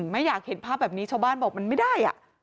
ไม่อยากเห็นภาพแบบนี้ชาวบ้านบอกมันไม่ได้